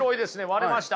割れましたね。